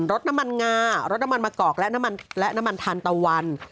รสน้ำมันงารสน้ำมันมะกอกและน้ำมันทานตะวัน